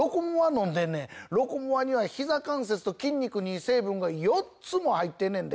飲んでんねん「ロコモア」にはひざ関節と筋肉にいい成分が４つも入ってんねんで！